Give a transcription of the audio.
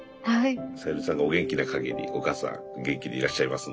さゆりさんがお元気なかぎりお母さん元気でいらっしゃいますんで。